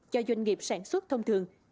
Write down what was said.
cho doanh nghiệp sản xuất thông thường